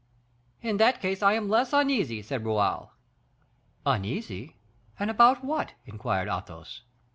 "In that case, I am less uneasy," said Raoul. "Uneasy and about what?" inquired Athos.